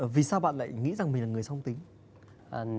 vì sao bạn lại nghĩ rằng mình là người song tính